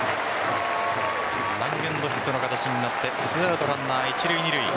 ランエンドヒットの形になって２アウトランナー一塁・二塁。